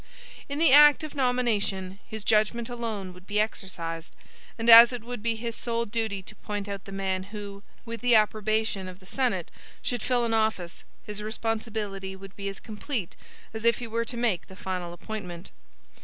In the act of nomination, his judgment alone would be exercised; and as it would be his sole duty to point out the man who, with the approbation of the Senate, should fill an office, his responsibility would be as complete as if he were to make the final appointment.